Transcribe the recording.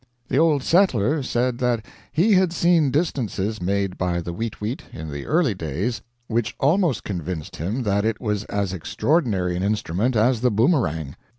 The Old Settler said that he had seen distances made by the weet weet, in the early days, which almost convinced him that it was as extraordinary an instrument as the boomerang.